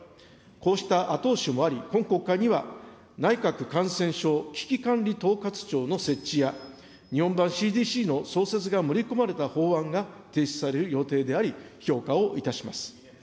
こうした後押しもあり、今国会には、内閣感染症危機管理統括庁の設置や、日本版ＣＤＣの創設が盛り込まれた法案が提出される予定であり、評価をいたします。